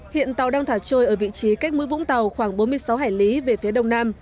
hiện tàu đang thả trôi ở vị trí cách mũi vũng tàu khoảng bốn mươi sáu hải lý về phía đông nam